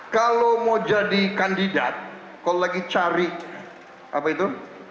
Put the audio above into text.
kalau mau jadi kandidat kalau lagi cari apa itu